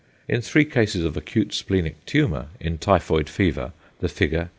In three cases of acute splenic tumour in typhoid fever the figure 0.